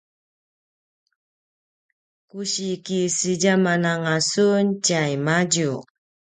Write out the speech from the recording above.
ku si kisedjaman anga sun tjaimadju